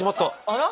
あら？